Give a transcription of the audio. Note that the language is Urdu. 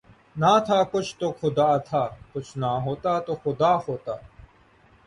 نہ تھا کچھ تو خدا تھا، کچھ نہ ہوتا تو خدا ہوتا